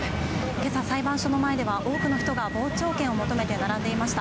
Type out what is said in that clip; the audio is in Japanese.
けさ裁判所の前では多くの人が傍聴券を求めて並んでいました。